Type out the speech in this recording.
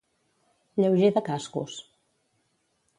Lleuger de cascos.